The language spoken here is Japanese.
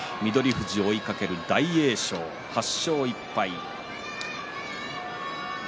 富士を追いかける大栄翔８勝１敗。